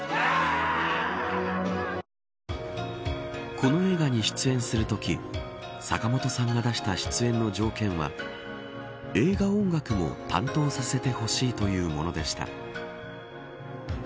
この映画に出演するとき坂本さんが出した出演の条件は映画音楽も担当させてほしいというものでした。